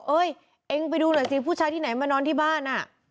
เอ้ยเองไปดูหน่อยสิผู้ชายที่ไหนมานอนที่บ้านอ่ะ